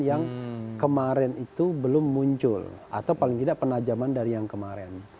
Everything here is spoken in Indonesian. yang kemarin itu belum muncul atau paling tidak penajaman dari yang kemarin